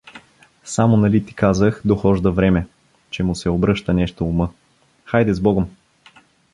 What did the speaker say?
Само, нали ти казах, дохожда време… че му се обръща нещо ума… Хайде сбогом!